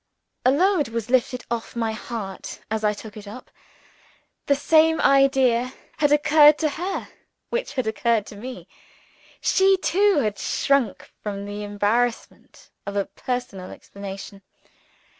A load was lifted off my heart as I took it up. The same idea (I concluded) had occurred to her which had occurred to me. She too had shrunk from the embarrassment of a personal explanation.